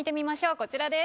こちらです。